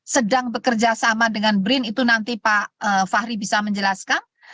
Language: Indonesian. sedang bekerja sama dengan brin itu nanti pak fahri bisa menjelaskan